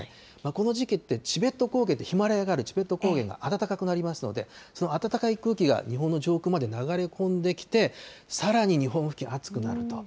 この時期って、チベット高原って、ヒマラヤがあるチベット高原暖かくなりますので、その暖かい空気が日本の上空まで流れ込んできて、さらに日本付近、暑くなると。